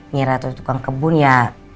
nyerah tuh tukang kebun ya